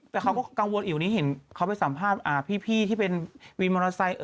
แต่เขาก็กังวลอิ๋วนี้เห็นเขาไปสัมภาษณ์พี่ที่เป็นวินมอเตอร์ไซค์